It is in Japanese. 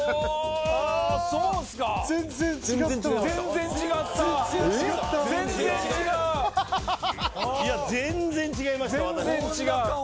全然違う！